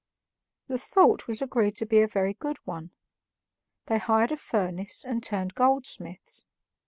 The thought was agreed to be a very good one; they hired a furnace and turned goldsmiths.